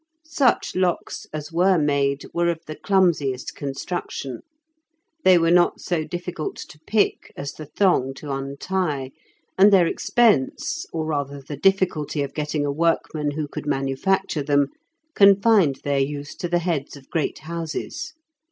Such locks as were made were of the clumsiest construction. They were not so difficult to pick as the thong to untie, and their expense, or rather the difficulty of getting a workman who could manufacture them, confined their use to the heads of great houses.